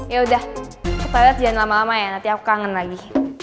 ya udah kita lihat jangan lama lama ya nanti aku kangen lagi